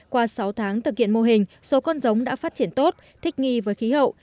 qua sáu tháng thực hiện mô hình số con giống đã phát triển tốt thích nghi với khí hậu